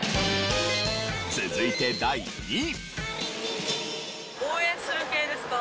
続いて第２位。